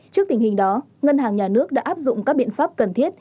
trước tình hình đó ngân hàng nhà nước đã áp dụng các biện pháp cần thiết